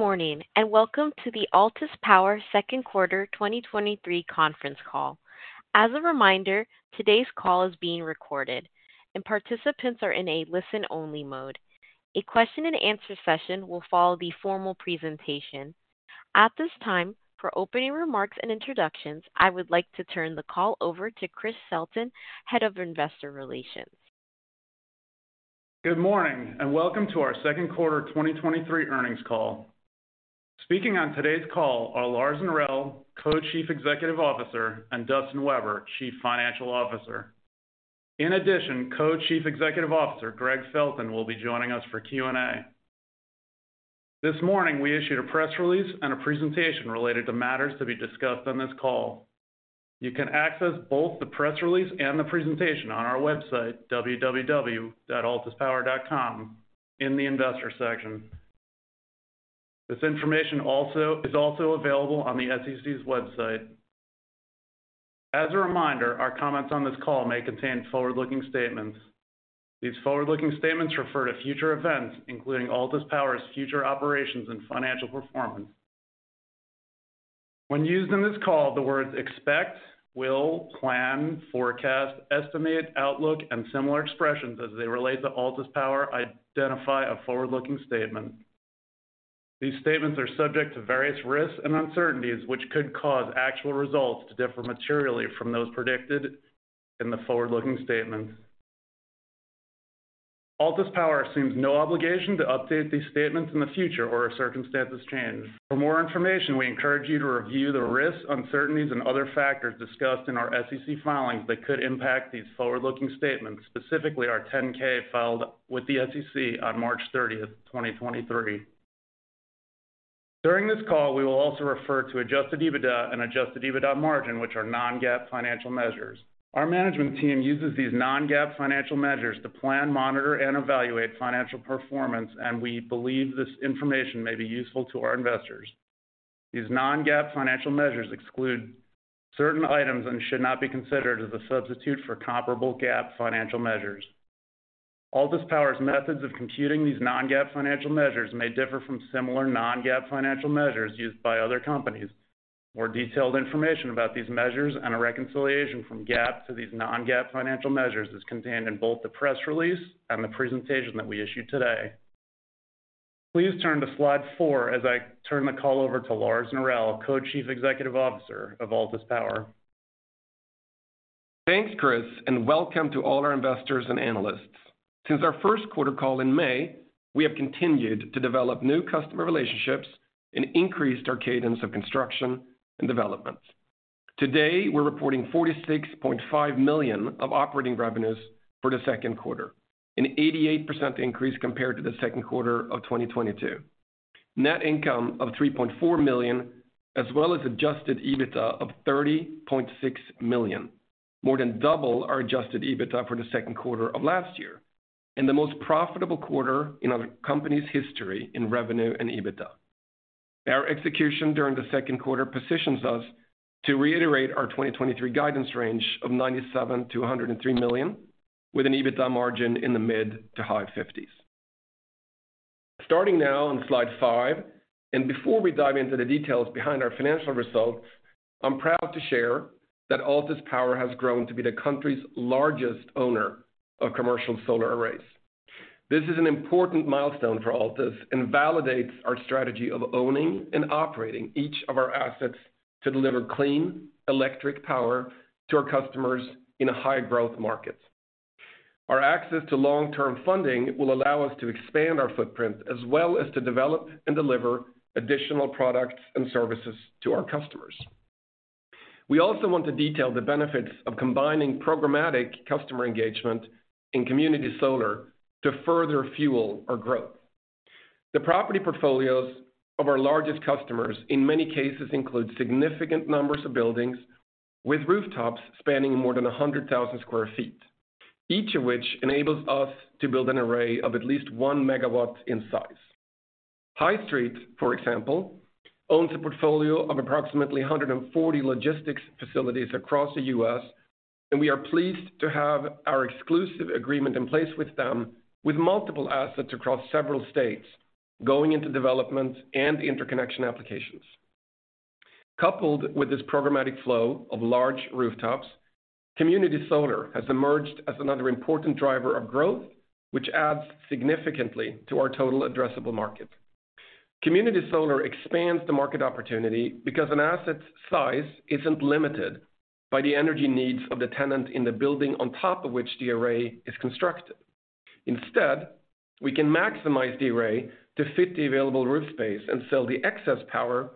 Good morning, welcome to the Altus Power Second Quarter 2023 conference call. As a reminder, today's call is being recorded, and participants are in a listen-only mode. A question and answer session will follow the formal presentation. At this time, for opening remarks and introductions, I would like to turn the call over to Chris Shelton, Head of Investor Relations. Good morning, and welcome to our second quarter 2023 earnings call. Speaking on today's call are Lars Norell, Co-Chief Executive Officer, and Dustin Weber, Chief Financial Officer. In addition, Co-Chief Executive Officer, Gregg Felton, will be joining us for Q&A. This morning, we issued a press release and a presentation related to matters to be discussed on this call. You can access both the press release and the presentation on our website, www.altuspower.com, in the Investor section. This information is also available on the SEC's website. As a reminder, our comments on this call may contain forward-looking statements. These forward-looking statements refer to future events, including Altus Power's future operations and financial performance. When used in this call, the words expect, will, plan, forecast, estimate, outlook, and similar expressions as they relate to Altus Power, identify a forward-looking statement. These statements are subject to various risks and uncertainties, which could cause actual results to differ materially from those predicted in the forward-looking statements. Altus Power assumes no obligation to update these statements in the future or if circumstances change. For more information, we encourage you to review the risks, uncertainties, and other factors discussed in our SEC filings that could impact these forward-looking statements, specifically our 10-K filed with the SEC on March 30, 2023. During this call, we will also refer to adjusted EBITDA and adjusted EBITDA margin, which are non-GAAP financial measures. Our management team uses these non-GAAP financial measures to plan, monitor, and evaluate financial performance, and we believe this information may be useful to our investors. These non-GAAP financial measures exclude certain items and should not be considered as a substitute for comparable GAAP financial measures. Altus Power's methods of computing these non-GAAP financial measures may differ from similar non-GAAP financial measures used by other companies. More detailed information about these measures and a reconciliation from GAAP to these non-GAAP financial measures is contained in both the press release and the presentation that we issued today. Please turn to slide 4 as I turn the call over to Lars Norell, Co-Chief Executive Officer of Altus Power. Thanks, Chris, welcome to all our investors and analysts. Since our first quarter call in May, we have continued to develop new customer relationships and increased our cadence of construction and development. Today, we're reporting $46.5 million of operating revenues for the second quarter, an 88% increase compared to the second quarter of 2022. Net income of $3.4 million, as well as adjusted EBITDA of $30.6 million, more than double our adjusted EBITDA for the second quarter of last year, and the most profitable quarter in our company's history in revenue and EBITDA. Our execution during the second quarter positions us to reiterate our 2023 guidance range of $97 million-$103 million, with an EBITDA margin in the mid-to-high 50s%. Starting now on slide five, and before we dive into the details behind our financial results, I'm proud to share that Altus Power has grown to be the country's largest owner of commercial solar arrays. This is an important milestone for Altus and validates our strategy of owning and operating each of our assets to deliver clean electric power to our customers in a high-growth market. Our access to long-term funding will allow us to expand our footprint, as well as to develop and deliver additional products and services to our customers. We also want to detail the benefits of combining programmatic customer engagement in community solar to further fuel our growth. The property portfolios of our largest customers, in many cases, include significant numbers of buildings with rooftops spanning more than 100,000 sq ft, each of which enables us to build an array of at least 1 MW in size. High Street, for example, owns a portfolio of approximately 140 logistics facilities across the US. We are pleased to have our exclusive agreement in place with them, with multiple assets across several states going into development and interconnection applications. Coupled with this programmatic flow of large rooftops, community solar has emerged as another important driver of growth, which adds significantly to our total addressable market. Community solar expands the market opportunity because an asset's size isn't limited by the energy needs of the tenant in the building on top of which the array is constructed. Instead, we can maximize the array to fit the available roof space and sell the excess power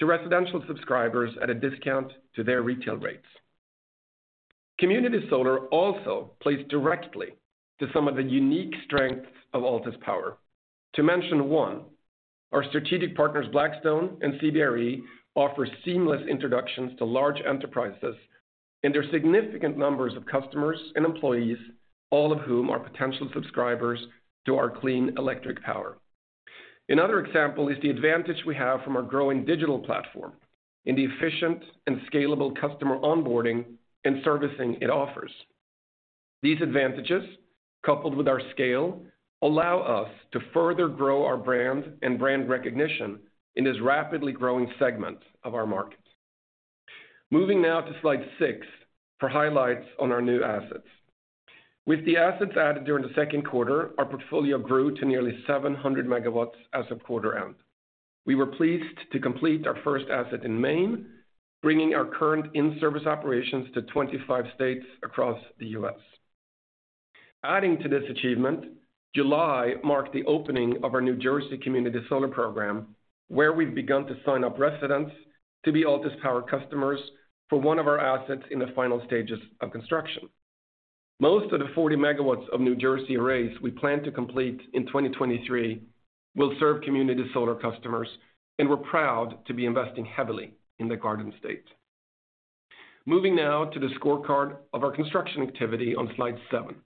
to residential subscribers at a discount to their retail rates. Community solar also plays directly to some of the unique strengths of Altus Power. To mention one, our strategic partners, Blackstone and CBRE, offer seamless introductions to large enterprises and there are significant numbers of customers and employees, all of whom are potential subscribers to our clean electric power. Another example is the advantage we have from our growing digital platform and the efficient and scalable customer onboarding and servicing it offers. These advantages, coupled with our scale, allow us to further grow our brand and brand recognition in this rapidly growing segment of our markets. Moving now to slide 6 for highlights on our new assets. With the assets added during the second quarter, our portfolio grew to nearly 700 megawatts as of quarter end. We were pleased to complete our first asset in Maine, bringing our current in-service operations to 25 states across the U.S. Adding to this achievement, July marked the opening of our New Jersey Community Solar Program, where we've begun to sign up residents to be Altus Power customers for one of our assets in the final stages of construction. Most of the 40 megawatts of New Jersey arrays we plan to complete in 2023 will serve community solar customers, and we're proud to be investing heavily in the Garden State. Moving now to the scorecard of our construction activity on slide 7.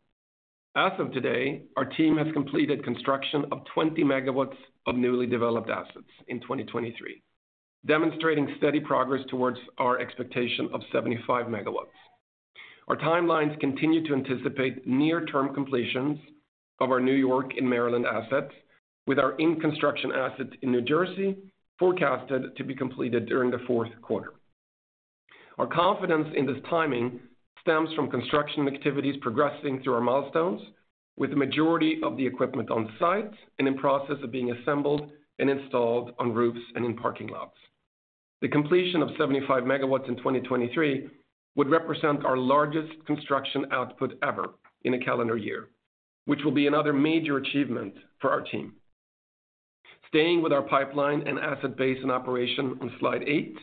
As of today, our team has completed construction of 20 megawatts of newly developed assets in 2023, demonstrating steady progress towards our expectation of 75 megawatts. Our timelines continue to anticipate near-term completions of our New York and Maryland assets, with our in-construction asset in New Jersey forecasted to be completed during the fourth quarter. Our confidence in this timing stems from construction activities progressing through our milestones, with the majority of the equipment on site and in process of being assembled and installed on roofs and in parking lots. The completion of 75 megawatts in 2023 would represent our largest construction output ever in a calendar year, which will be another major achievement for our team. Staying with our pipeline and asset base in operation on slide 8,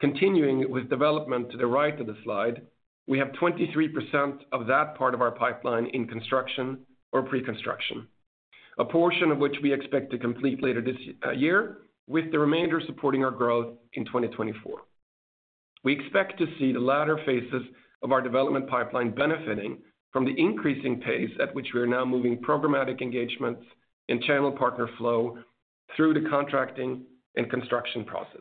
continuing with development to the right of the slide, we have 23% of that part of our pipeline in construction or pre-construction. A portion of which we expect to complete later this year, with the remainder supporting our growth in 2024. We expect to see the latter phases of our development pipeline benefiting from the increasing pace at which we are now moving programmatic engagements and channel partner flow through the contracting and construction process.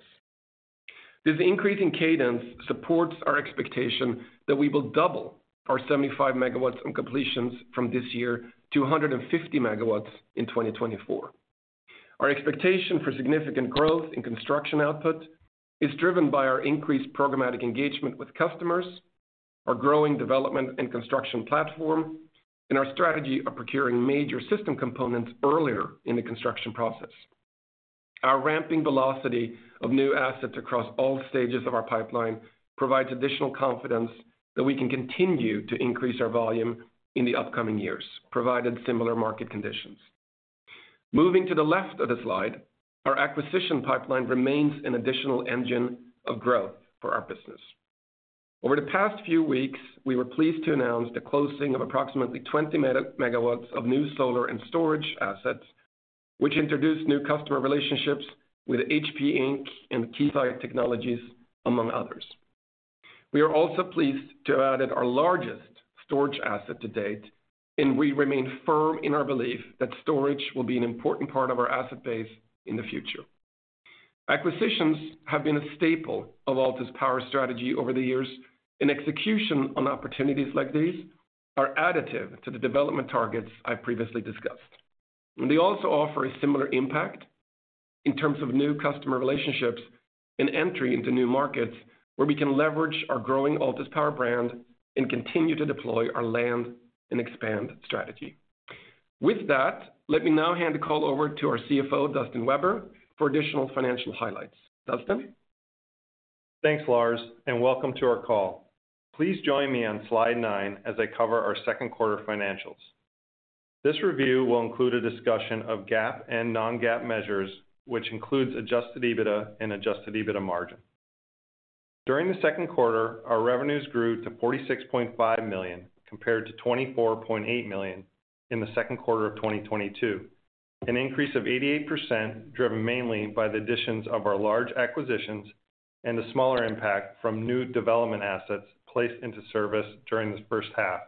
This increasing cadence supports our expectation that we will double our 75 megawatts in completions from this year to 150 megawatts in 2024. Our expectation for significant growth in construction output is driven by our increased programmatic engagement with customers, our growing development and construction platform, and our strategy of procuring major system components earlier in the construction process. Our ramping velocity of new assets across all stages of our pipeline provides additional confidence that we can continue to increase our volume in the upcoming years, provided similar market conditions. Moving to the left of the slide, our acquisition pipeline remains an additional engine of growth for our business. Over the past few weeks, we were pleased to announce the closing of approximately 20 MW of new solar and storage assets, which introduced new customer relationships with HP Inc. and Keysight Technologies, among others. We are also pleased to have added our largest storage asset to date. We remain firm in our belief that storage will be an important part of our asset base in the future. Acquisitions have been a staple of Altus Power's strategy over the years. Execution on opportunities like these are additive to the development targets I previously discussed. They also offer a similar impact in terms of new customer relationships and entry into new markets, where we can leverage our growing Altus Power brand and continue to deploy our land and expand strategy. With that, let me now hand the call over to our CFO, Dustin Weber, for additional financial highlights. Dustin? Thanks, Lars, and welcome to our call. Please join me on slide 9 as I cover our second quarter financials. This review will include a discussion of GAAP and non-GAAP measures, which includes adjusted EBITDA and adjusted EBITDA margin. During the second quarter, our revenues grew to $46.5 million, compared to $24.8 million in the second quarter of 2022, an increase of 88%, driven mainly by the additions of our large acquisitions and the smaller impact from new development assets placed into service during this first half.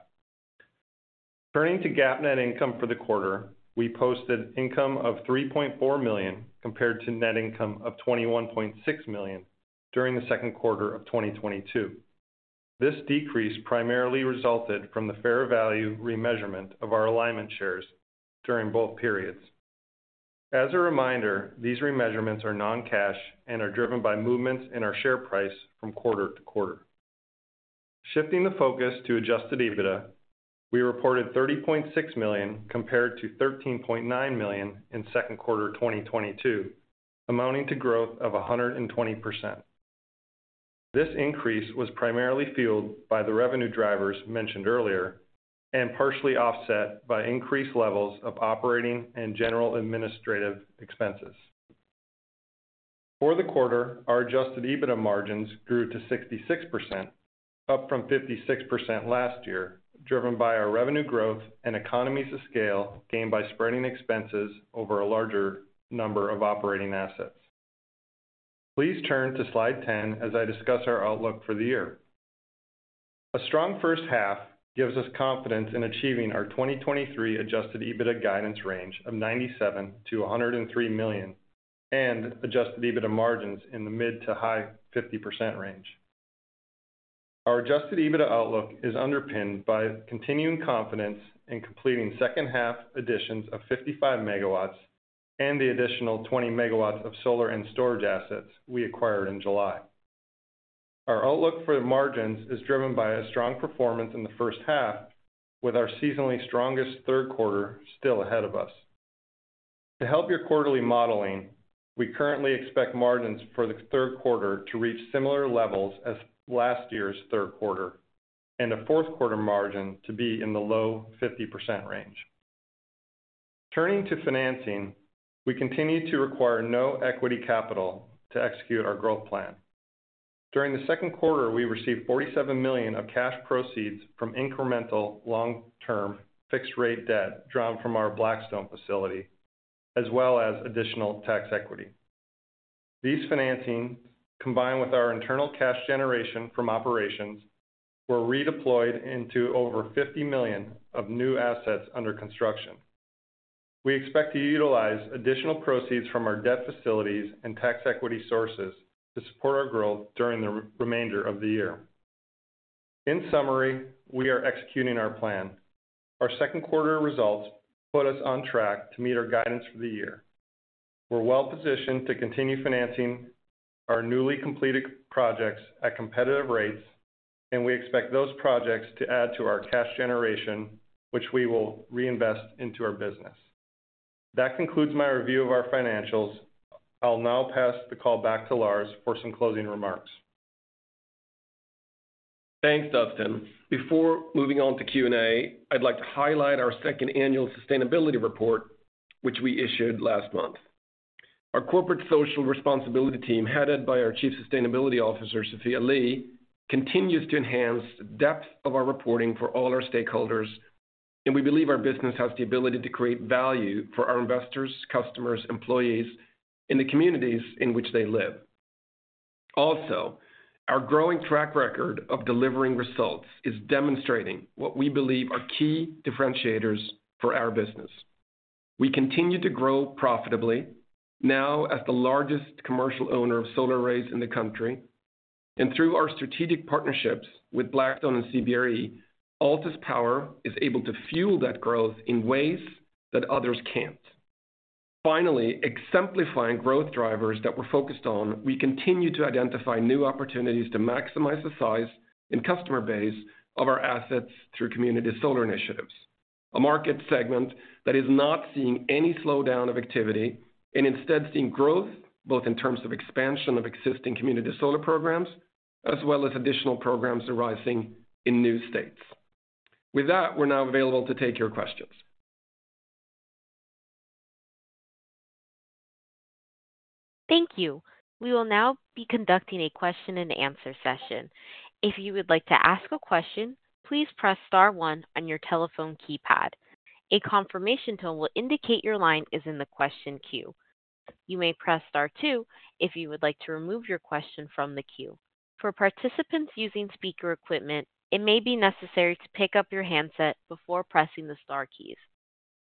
Turning to GAAP net income for the quarter, we posted income of $3.4 million, compared to net income of $21.6 million during the second quarter of 2022. This decrease primarily resulted from the fair value remeasurement of our Alignment Shares during both periods. As a reminder, these remeasurements are non-cash and are driven by movements in our share price from quarter to quarter. Shifting the focus to adjusted EBITDA, we reported $30.6 million, compared to $13.9 million in second quarter 2022, amounting to growth of 120%. This increase was primarily fueled by the revenue drivers mentioned earlier, and partially offset by increased levels of operating and general administrative expenses. For the quarter, our adjusted EBITDA margins grew to 66%, up from 56% last year, driven by our revenue growth and economies of scale gained by spreading expenses over a larger number of operating assets. Please turn to slide 10 as I discuss our outlook for the year. A strong first half gives us confidence in achieving our 2023 adjusted EBITDA guidance range of $97 million-$103 million-... adjusted EBITDA margins in the mid to high 50% range. Our adjusted EBITDA outlook is underpinned by continuing confidence in completing second half additions of 55 megawatts and the additional 20 megawatts of solar and storage assets we acquired in July. Our outlook for the margins is driven by a strong performance in the first half, with our seasonally strongest third quarter still ahead of us. To help your quarterly modeling, we currently expect margins for the third quarter to reach similar levels as last year's third quarter, and a fourth quarter margin to be in the low 50% range. Turning to financing, we continue to require no equity capital to execute our growth plan. During the second quarter, we received $47 million of cash proceeds from incremental long-term fixed rate debt drawn from our Blackstone Facility, as well as additional tax equity. These financing, combined with our internal cash generation from operations, were redeployed into over $50 million of new assets under construction. We expect to utilize additional proceeds from our debt facilities and tax equity sources to support our growth during the remainder of the year. In summary, we are executing our plan. Our second quarter results put us on track to meet our guidance for the year. We're well positioned to continue financing our newly completed projects at competitive rates, and we expect those projects to add to our cash generation, which we will reinvest into our business. That concludes my review of our financials. I'll now pass the call back to Lars for some closing remarks. Thanks, Dustin. Before moving on to Q&A, I'd like to highlight our second annual sustainability report, which we issued last month. Our corporate social responsibility team, headed by our Chief Sustainability Officer, Sophia Lee, continues to enhance the depth of our reporting for all our stakeholders, and we believe our business has the ability to create value for our investors, customers, employees, in the communities in which they live. Also, our growing track record of delivering results is demonstrating what we believe are key differentiators for our business. We continue to grow profitably, now as the largest commercial owner of solar arrays in the country. Through our strategic partnerships with Blackstone and CBRE, Altus Power is able to fuel that growth in ways that others can't. Finally, exemplifying growth drivers that we're focused on, we continue to identify new opportunities to maximize the size and customer base of our assets through community solar initiatives, a market segment that is not seeing any slowdown of activity, and instead seeing growth, both in terms of expansion of existing community solar programs, as well as additional programs arising in new states. With that, we're now available to take your questions. Thank you. We will now be conducting a question-and-answer session. If you would like to ask a question, please press star one on your telephone keypad. A confirmation tone will indicate your line is in the question queue. You may press star two if you would like to remove your question from the queue. For participants using speaker equipment, it may be necessary to pick up your handset before pressing the star keys.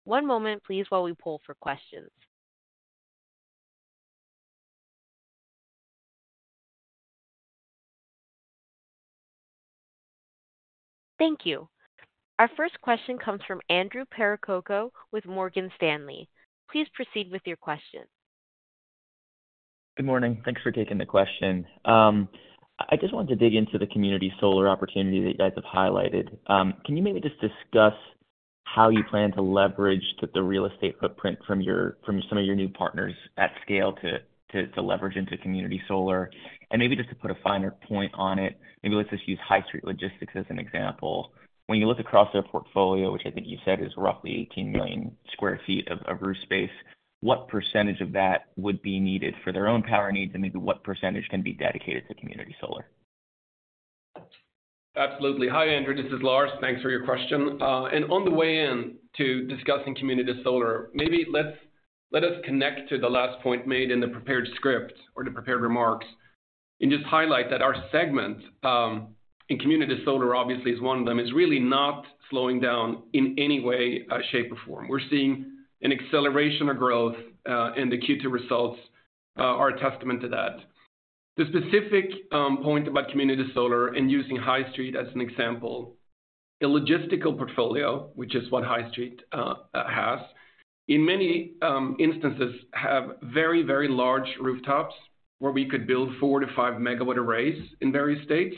One moment, please, while we pull for questions. Thank you. Our first question comes from Andrew Percoco with Morgan Stanley. Please proceed with your question. Good morning. Thanks for taking the question. I just wanted to dig into the community solar opportunity that you guys have highlighted. Can you maybe just discuss how you plan to leverage the, the real estate footprint from your- from some of your new partners at scale to, to, to leverage into community solar? Maybe just to put a finer point on it, maybe let's just use High Street Logistics as an example. When you look across their portfolio, which I think you said is roughly 18 million sq ft of, of roof space, what % of that would be needed for their own power needs, and maybe what % can be dedicated to community solar? Absolutely. Hi, Andrew, this is Lars. Thanks for your question. On the way in to discussing community solar, maybe let us connect to the last point made in the prepared script or the prepared remarks, and just highlight that our segments, and community solar, obviously, is one of them, is really not slowing down in any way, shape, or form. We're seeing an acceleration of growth, and the Q2 results are a testament to that. The specific point about community solar and using High Street as an example, the logistical portfolio, which is what High Street has, in many instances, have very, very large rooftops where we could build 4 to 5-megawatt arrays in various states,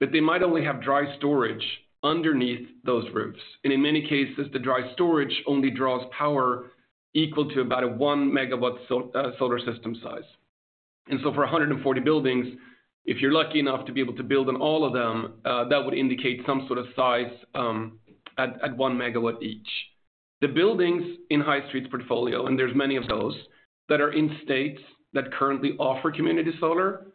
but they might only have dry storage underneath those roofs. In many cases, the dry storage only draws power equal to about a 1-megawatt so- solar system size. For 140 buildings, if you're lucky enough to be able to build on all of them, that would indicate some sort of size at 1 megawatt each. The buildings in High Street's portfolio, and there's many of those, that are in states that currently offer community solar,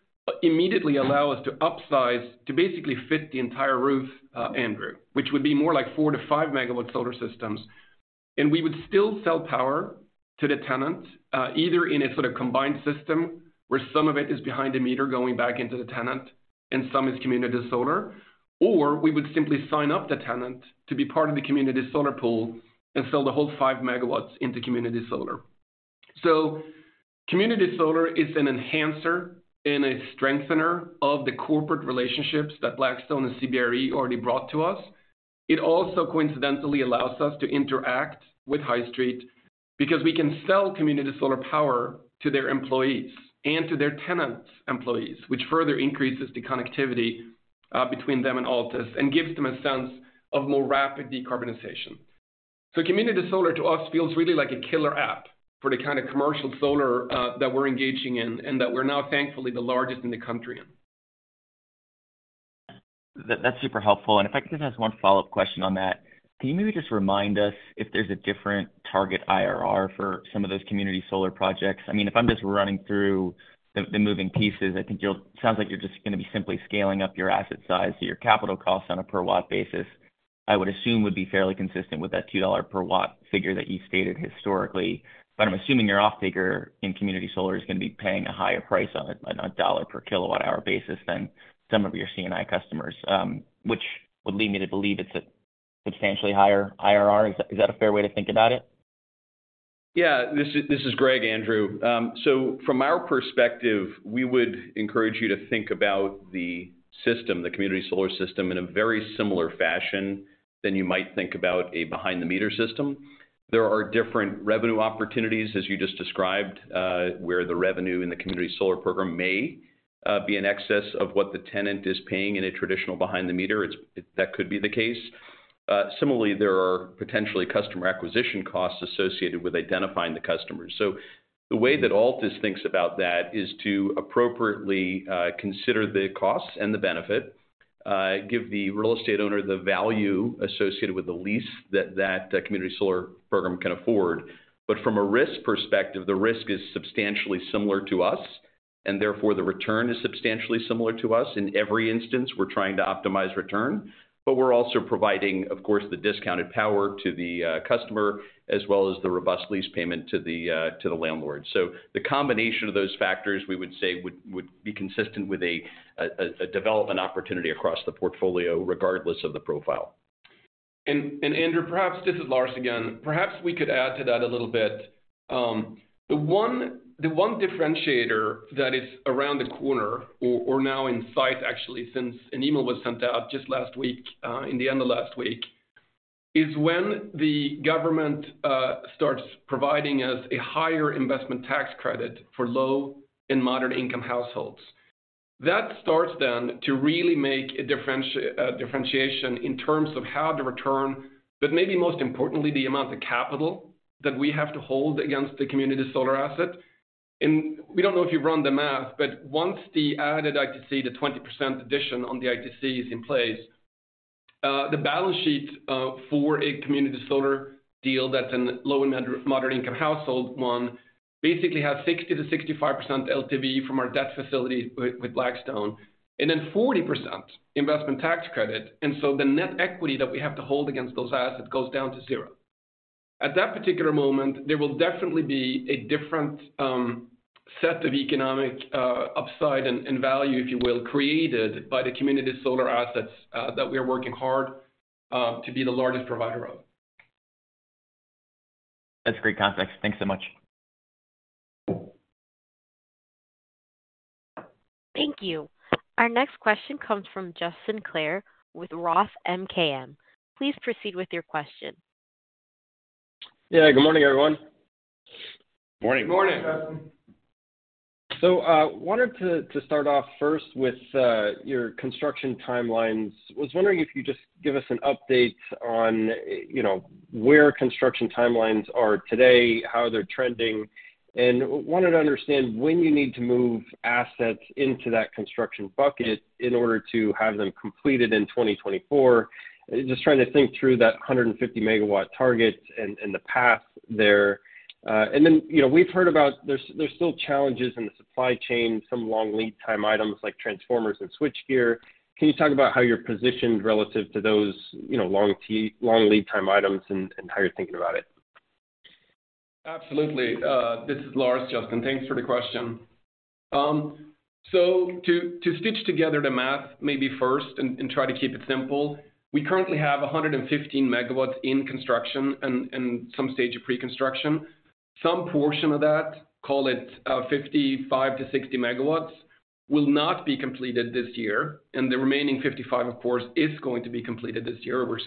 immediately allow us to upsize, to basically fit the entire roof, Andrew, which would be more like 4-5-megawatt solar systems. We would still sell power to the tenant, either in a sort of combined system, where some of it is behind-the-meter going back into the tenant, and some is community solar, or we would simply sign up the tenant to be part of the community solar pool and sell the whole 5 MW into community solar. Community solar is an enhancer and a strengthener of the corporate relationships that Blackstone and CBRE already brought to us. It also coincidentally allows us to interact with High Street, because we can sell community solar power to their employees and to their tenants' employees, which further increases the connectivity between them and Altus, and gives them a sense of more rapid decarbonization. Community solar to us, feels really like a killer app for the kind of commercial solar that we're engaging in, and that we're now thankfully the largest in the U.S. That's super helpful. If I could just ask 1 follow-up question on that: Can you maybe just remind us if there's a different target IRR for some of those community solar projects? I mean, if I'm just running through the, the moving pieces, I think Sounds like you're just gonna be simply scaling up your asset size, so your capital costs on a per watt basis, I would assume, would be fairly consistent with that $2 per watt figure that you stated historically. I'm assuming your offtaker in community solar is gonna be paying a higher price on it, on a $ per kilowatt-hour basis than some of your C&I customers, which would lead me to believe it's a substantially higher IRR. Is that, is that a fair way to think about it? Yeah. This is, this is Gregg, Andrew. From our perspective, we would encourage you to think about the system, the community solar system, in a very similar fashion than you might think about a behind-the-meter system. There are different revenue opportunities, as you just described, where the revenue in the community solar program may be in excess of what the tenant is paying in a traditional behind-the-meter. That could be the case. Similarly, there are potentially customer acquisition costs associated with identifying the customers. The way that Altus thinks about that is to appropriately consider the costs and the benefit, give the real estate owner the value associated with the lease that, that community solar program can afford. From a risk perspective, the risk is substantially similar to us, and therefore, the return is substantially similar to us. In every instance, we're trying to optimize return, but we're also providing, of course, the discounted power to the customer, as well as the robust lease payment to the to the landlord. The combination of those factors, we would say, would, would be consistent with a, a, a development opportunity across the portfolio, regardless of the profile. Andrew Percoco, perhaps. This is Lars again. The one, the one differentiator that is around the corner or, or now in sight, actually, since an email was sent out just last week, in the end of last week, is when the government starts providing us a higher investment tax credit for low and moderate-income households. That starts then to really make a differentiation in terms of how the return, but maybe most importantly, the amount of capital that we have to hold against the community solar asset. We don't know if you've run the math, but once the added ITC, the 20% addition on the ITC is in place, the balance sheet for a community solar deal that's in low and moderate income household one, basically have 60%-65% LTV from our debt facility with Blackstone, and then 40% investment tax credit. So the net equity that we have to hold against those assets goes down to 0. At that particular moment, there will definitely be a different set of economic upside and value, if you will, created by the community solar assets that we are working hard to be the largest provider of. That's great context. Thanks so much. Thank you. Our next question comes from Justin Clare with Roth MKM. Please proceed with your question. Yeah. Good morning, everyone. Morning. Good morning, Justin. Wanted to start off first with your construction timelines. Was wondering if you could just give us an update on, you know, where construction timelines are today, how they're trending, and wanted to understand when you need to move assets into that construction bucket in order to have them completed in 2024. Just trying to think through that 150-megawatt target and the path there. You know, we've heard about there's still challenges in the supply chain, some long lead time items like transformers and switchgear. Can you talk about how you're positioned relative to those, you know, long lead time items and how you're thinking about it? Absolutely. This is Lars, Justin. Thanks for the question. To, to stitch together the math, maybe first and, and try to keep it simple, we currently have 115 megawatts in construction and, and some stage of pre-construction. Some portion of that, call it, 55-60 megawatts, will not be completed this year, and the remaining 55, of course, is going to be completed this year.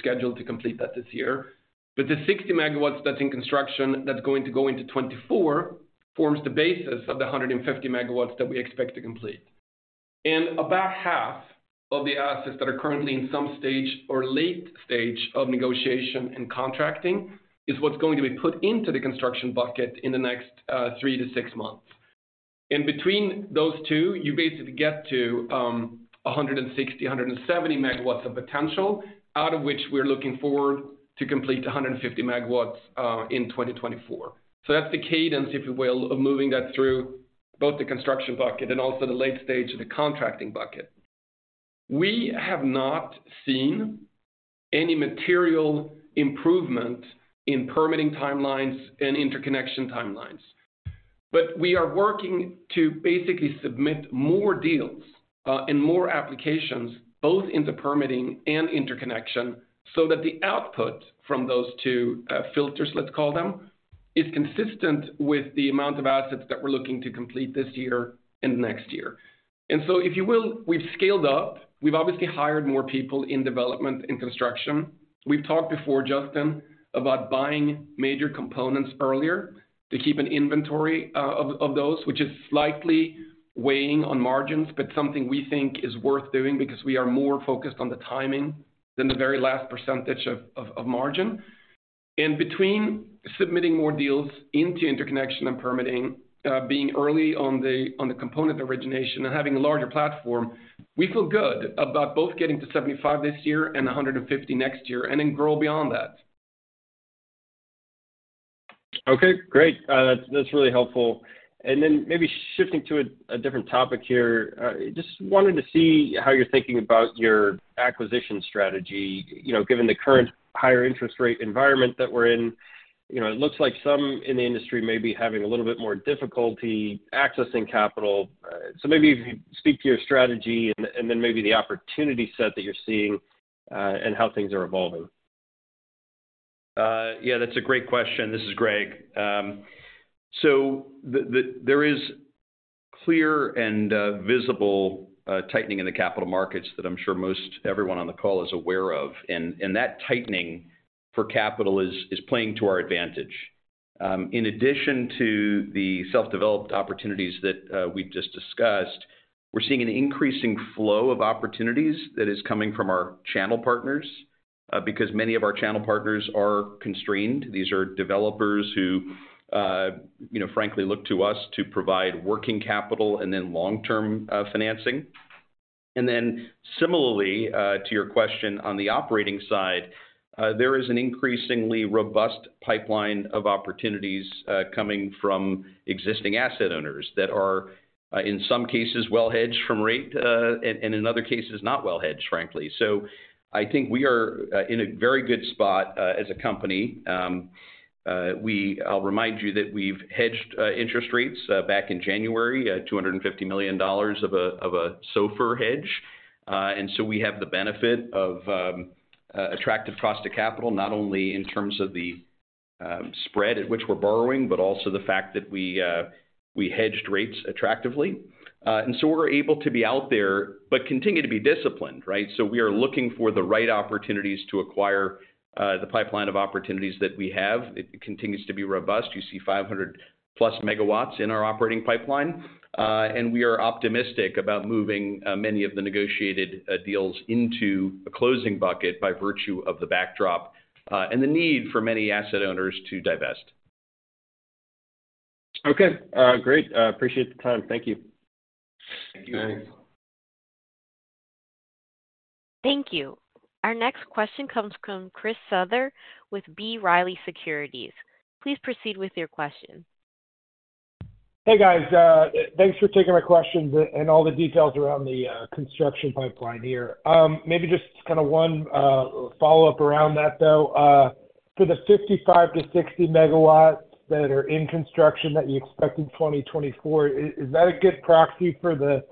The 60 megawatts that's in construction, that's going to go into 2024, forms the basis of the 150 megawatts that we expect to complete. About half of the assets that are currently in some stage or late stage of negotiation and contracting, is what's going to be put into the construction bucket in the next 3-6 months. In between those two, you basically get to, 160, 170 megawatts of potential, out of which we're looking forward to complete 150 megawatts, in 2024. That's the cadence, if you will, of moving that through both the construction bucket and also the late stage of the contracting bucket. We have not seen any material improvement in permitting timelines and interconnection timelines. We are working to basically submit more deals, and more applications, both in the permitting and interconnection, so that the output from those 2 filters, let's call them, is consistent with the amount of assets that we're looking to complete this year and next year. If you will, we've scaled up. We've obviously hired more people in development and construction. We've talked before, Justin, about buying major components earlier to keep an inventory of those, which is slightly weighing on margins, but something we think is worth doing because we are more focused on the timing than the very last percentage of margin. Between submitting more deals into interconnection and permitting, being early on the component origination and having a larger platform, we feel good about both getting to 75 this year and 150 next year, and then grow beyond that. Okay, great. That's, that's really helpful. Then maybe shifting to a, a different topic here. Just wanted to see how you're thinking about your acquisition strategy. You know, given the current higher interest rate environment that we're in, you know, it looks like some in the industry may be having a little bit more difficulty accessing capital. Maybe if you speak to your strategy and, and then maybe the opportunity set that you're seeing, and how things are evolving. Yeah, that's a great question. This is Gregg. So there is clear and visible tightening in the capital markets that I'm sure most everyone on the call is aware of, and that tightening for capital is playing to our advantage. In addition to the self-developed opportunities that we've just discussed, we're seeing an increasing flow of opportunities that is coming from our channel partners, because many of our channel partners are constrained. These are developers who, you know, frankly, look to us to provide working capital and then long-term financing. Similarly, to your question on the operating side, there is an increasingly robust pipeline of opportunities, coming from existing asset owners that are, in some cases, well-hedged from rate, and in other cases, not well-hedged, frankly. I think we are in a very good spot as a company. I'll remind you that we've hedged interest rates back in January, $250 million of a SOFR hedge. We have the benefit of attractive cost to capital, not only in terms of the spread at which we're borrowing, but also the fact that we hedged rates attractively. We're able to be out there, but continue to be disciplined, right? We are looking for the right opportunities to acquire the pipeline of opportunities that we have. It continues to be robust. You see 500+ megawatts in our operating pipeline. We are optimistic about moving many of the negotiated deals into a closing bucket by virtue of the backdrop and the need for many asset owners to divest. Okay. great. appreciate the time. Thank you. Thank you. Thanks. Thank you. Our next question comes from Chris Souther with B. Riley Securities. Please proceed with your question. Hey, guys. Thanks for taking my questions and, and all the details around the construction pipeline here. Maybe just kind of one follow-up around that, though. For the 55-60 megawatts that are in construction that you expect in 2024, is that a good proxy for the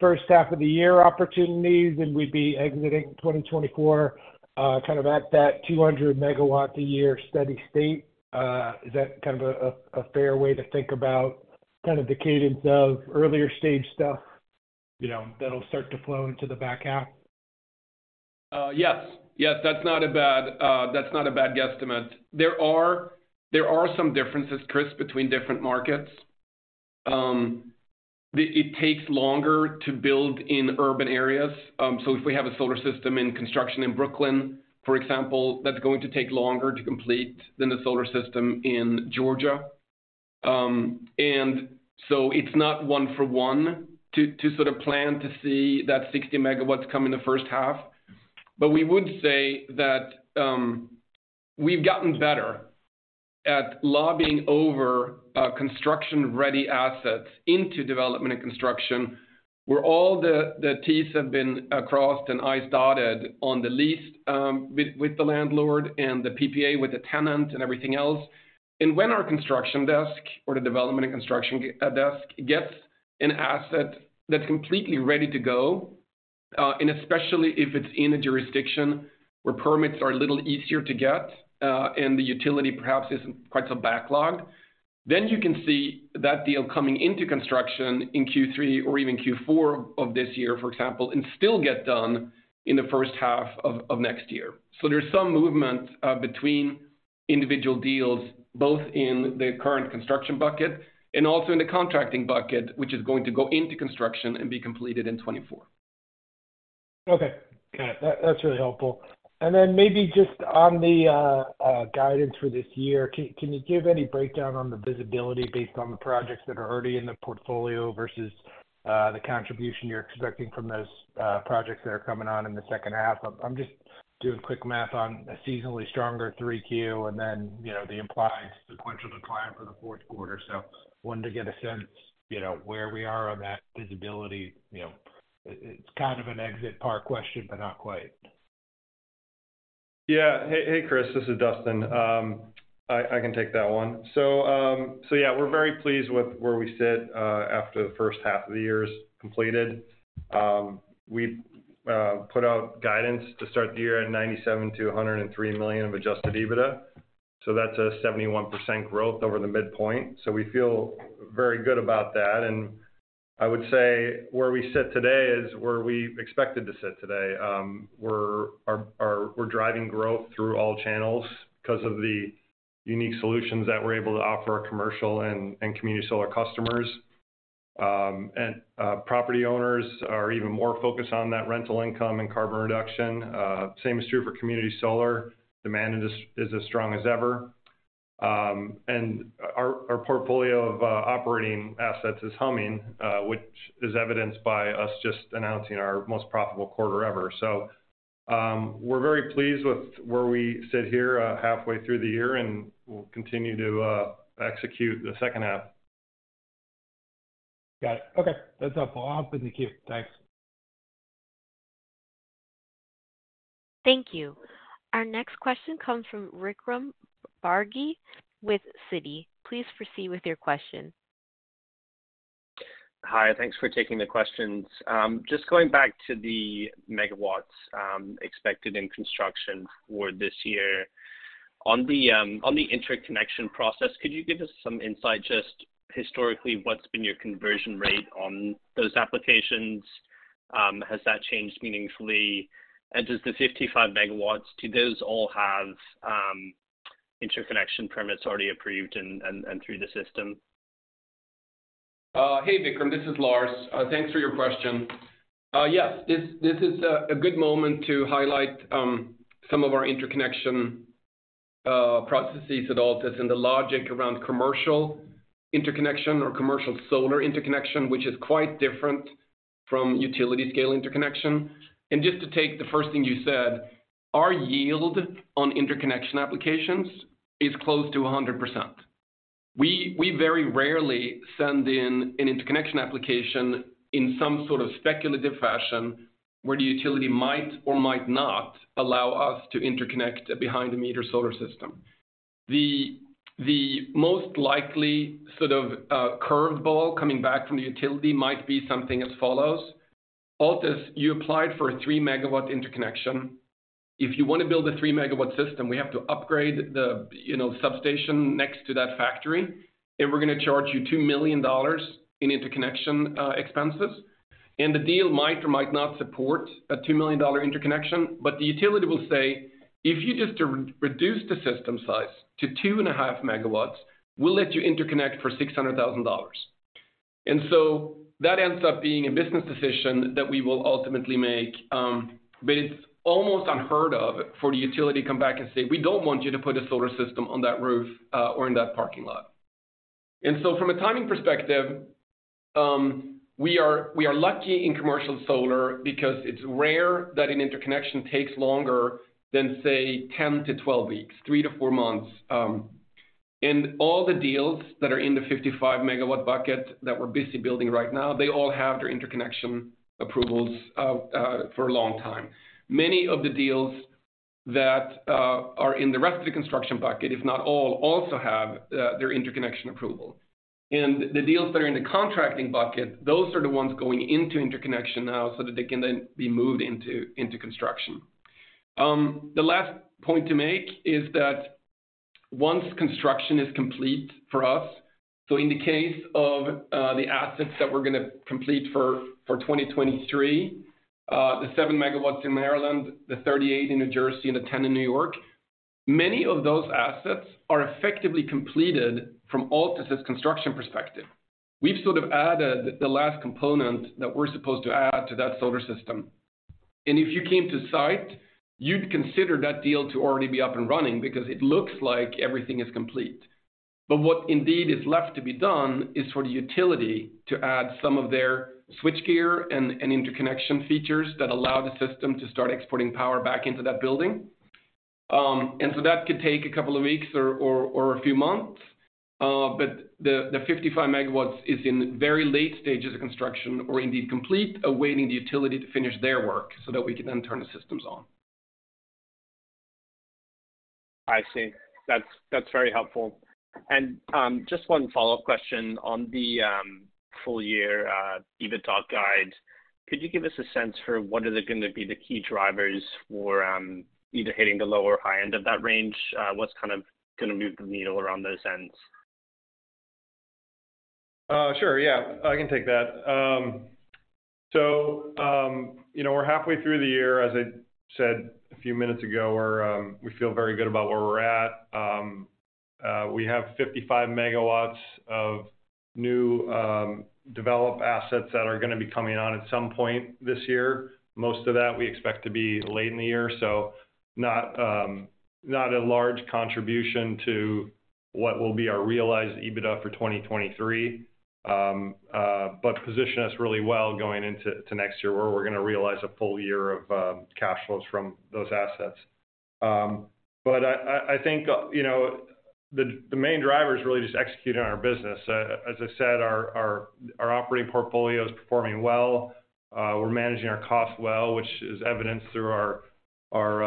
first half of the year opportunities, and we'd be exiting 2024, kind of at that 200 megawatt a year steady state? Is that kind of a fair way to think about kind of the cadence of earlier stage stuff, you know, that'll start to flow into the back half? Yes. Yes, that's not a bad, that's not a bad guesstimate. There are, there are some differences, Chris, between different markets. It takes longer to build in urban areas. If we have a solar system in construction in Brooklyn, for example, that's going to take longer to complete than the solar system in Georgia. It's not one for one, to, to sort of plan to see that 60 megawatts come in the first half. We would say that, we've gotten better at lobbying over, construction-ready assets into development and construction, where all the, the T's have been crossed and I's dotted on the lease, with, with the landlord and the PPA with the tenant and everything else. When our construction desk or the development and construction desk gets an asset that's completely ready to go, and especially if it's in a jurisdiction where permits are a little easier to get, and the utility perhaps isn't quite so backlogged, then you can see that deal coming into construction in Q3 or even Q4 of this year, for example, and still get done in the first half of, of next year. There's some movement between individual deals, both in the current construction bucket and also in the contracting bucket, which is going to go into construction and be completed in 2024. Okay. Okay, that, that's really helpful. Maybe just on the guidance for this year, can, can you give any breakdown on the visibility based on the projects that are already in the portfolio versus the contribution you're expecting from those projects that are coming on in the second half? I'm, I'm just doing quick math on a seasonally stronger 3Q and then, you know, the implied sequential decline for the 4th quarter. Wanted to get a sense, you know, where we are on that visibility. You know, it, it's kind of an exit PAR question, but not quite. Yeah. Hey, hey, Chris, this is Dustin. I, I can take that one. Yeah, we're very pleased with where we sit after the first half of the year is completed. We put out guidance to start the year at $97 million-$103 million of adjusted EBITDA, that's a 71% growth over the midpoint. We feel very good about that. I would say where we sit today is where we expected to sit today. We're driving growth through all channels because of the unique solutions that we're able to offer our commercial and community solar customers. Property owners are even more focused on that rental income and carbon reduction. Same is true for community solar. Demand is as strong as ever. Our, our portfolio of operating assets is humming, which is evidenced by us just announcing our most profitable quarter ever. We're very pleased with where we sit here, halfway through the year, and we'll continue to execute the second half. Got it. Okay. That's helpful. I'll hop in the queue. Thanks. Thank you. Our next question comes from Vikram Bagri with Citi. Please proceed with your question. Hi, thanks for taking the questions. Just going back to the megawatts expected in construction for this year. On the, on the interconnection process, could you give us some insight, just historically, what's been your conversion rate on those applications? Has that changed meaningfully? Does the 55 megawatts, do those all have, interconnection permits already approved and through the system? Hey, Vikram, this is Lars. Thanks for your question. Yes, this, this is a, a good moment to highlight some of our interconnection processes at Altus and the logic around commercial interconnection or commercial solar interconnection, which is quite different from utility scale interconnection. Just to take the first thing you said, our yield on interconnection applications is close to 100%. We, we very rarely send in an interconnection application in some sort of speculative fashion, where the utility might or might not allow us to interconnect a behind-the-meter solar system. The, the most likely sort of curveball coming back from the utility might be something as follows: "Altus, you applied for a 3-megawatt interconnection. If you want to build a 3-megawatt system, we have to upgrade the, you know, substation next to that factory, and we're going to charge you $2 million in interconnection expenses. The deal might or might not support a $2 million interconnection, but the utility will say, "If you just re-reduce the system size to 2.5 megawatts, we'll let you interconnect for $600,000." So that ends up being a business decision that we will ultimately make. It's almost unheard of for the utility to come back and say, "We don't want you to put a solar system on that roof, or in that parking lot." From a timing perspective, we are, we are lucky in commercial solar because it's rare that an interconnection takes longer than, say, 10-12 weeks, 3-4 months. All the deals that are in the 55-megawatt bucket that we're busy building right now, they all have their interconnection approvals for a long time. Many of the deals that are in the rest of the construction bucket, if not all, also have their interconnection approval. The deals that are in the contracting bucket, those are the ones going into interconnection now, so that they can then be moved into, into construction. The last point to make is that once construction is complete for us, so in the case of the assets that we're going to complete for 2023, the 7 MW in Maryland, the 38 in New Jersey, and the 10 in New York, many of those assets are effectively completed from Altus's construction perspective. We've sort of added the last component that we're supposed to add to that solar system. If you came to site, you'd consider that deal to already be up and running because it looks like everything is complete. What indeed is left to be done is for the utility to add some of their switchgear and, and interconnection features that allow the system to start exporting power back into that building. That could take a couple of weeks or, or, or a few months. The, the 55 megawatts is in very late stages of construction or indeed complete, awaiting the utility to finish their work so that we can then turn the systems on. I see. That's, that's very helpful. Just 1 follow-up question on the full year EBITDA guide. Could you give us a sense for what are going to be the key drivers for either hitting the low or high end of that range? What's kind of going to move the needle around those ends? Sure. Yeah, I can take that. You know, we're halfway through the year, as I said a few minutes ago, we're, we feel very good about where we're at. We have 55 megawatts of new, developed assets that are going to be coming on at some point this year. Most of that, we expect to be late in the year, so not, not a large contribution to what will be our realized EBITDA for 2023. Position us really well going into, to next year, where we're going to realize a full year of cash flows from those assets. I, I, I think, you know, the, the main driver is really just executing on our business. As I said, our, our, our operating portfolio is performing well. We're managing our costs well, which is evidenced through our, our,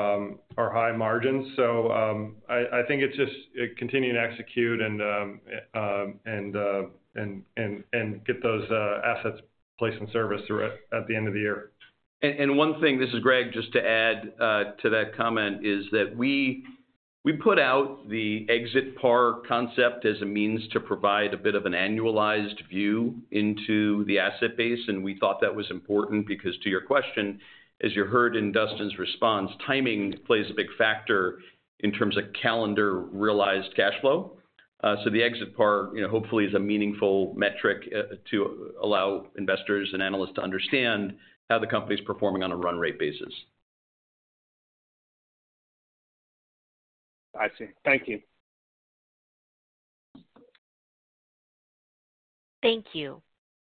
our high margins. I, I think it's just continuing to execute and get those assets placed in service through it at the end of the year. One thing, this is Gregg, just to add to that comment, is that we, we put out the exit PAR concept as a means to provide a bit of an annualized view into the asset base, and we thought that was important because to your question, as you heard in Dustin's response, timing plays a big factor in terms of calendar realized cash flow. The exit PAR, you know, hopefully is a meaningful metric to allow investors and analysts to understand how the company is performing on a run rate basis. I see. Thank you. Thank you.